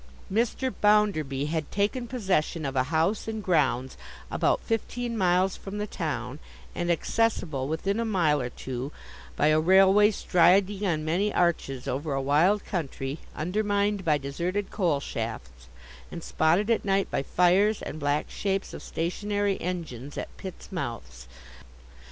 Mr. Bounderby had taken possession of a house and grounds, about fifteen miles from the town, and accessible within a mile or two, by a railway striding on many arches over a wild country, undermined by deserted coal shafts, and spotted at night by fires and black shapes of stationary engines at pits' mouths.